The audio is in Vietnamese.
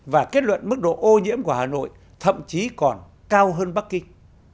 và kết luận mức độ ô nhiễm của hà nội thậm chí còn cao hơn bắc kinh